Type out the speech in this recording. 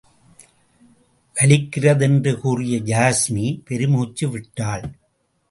வலிக்கிறது என்று கூறிய யாஸ்மி பெருமூச்சு விட்டாள்.